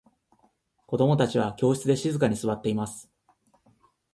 子供達は教室で静かに座っています。